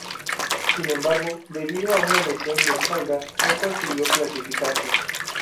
Sin embargo debido a una lesión de espalda no consiguió clasificarse.